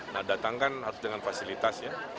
nah datang kan harus dengan fasilitas ya